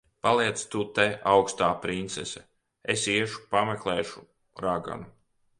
Paliec tu te, augstā princese. Es iešu pameklēšu raganu.